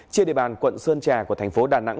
trên địa bàn quận sơn trà của thành phố đà nẵng